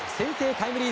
タイムリー